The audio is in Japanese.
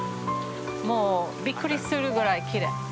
もうびっくりするぐらいきれい。